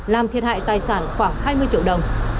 làm thiệt hại tài sản khoảng hai mươi triệu đồng